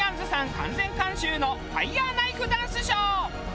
完全監修のファイヤーナイフダンスショー。